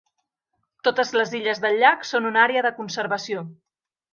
Totes les illes del llac són una àrea de conservació.